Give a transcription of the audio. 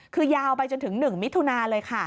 คือยาวไปจนถึง๑มิตรทุนาเลย